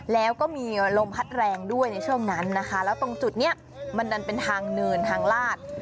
แล้วก็มีลมพัดแรงด้วยในช่วงนั้นนะคะแล้วตรงจุดนี้มันดันเป็นทางเนินทางลาด